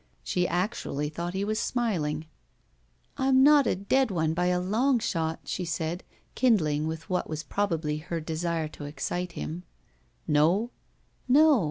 She actually thought he was smiling. "I'm not a dead one by a long shot/' she said, kindling with what was probably her desire to excite him. "No?" "No.